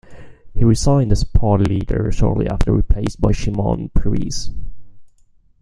He resigned as party leader shortly after, replaced by Shimon Peres.